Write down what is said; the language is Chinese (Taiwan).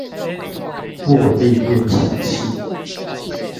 握力練習器